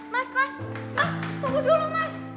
mas mas tunggu dulu mas